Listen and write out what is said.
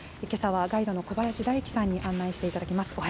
けさはガイドの小林大樹さんに案内していただきます。